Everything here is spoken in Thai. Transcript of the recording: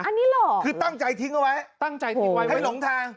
อันนี้หลอกคือตั้งใจทิ้งเอาไว้ให้หลงทาง